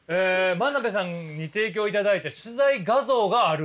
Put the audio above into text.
真鍋さんに提供いただいた取材画像がある？